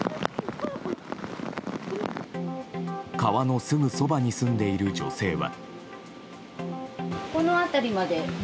川のすぐそばに住んでいる女性は。